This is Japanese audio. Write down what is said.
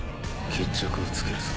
決着をつけるぞ。